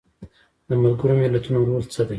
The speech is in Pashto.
د ملګرو ملتونو رول څه دی؟